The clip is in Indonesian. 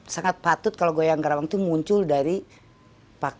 sangat patut kalau goyang karawang itu muncul dari pakar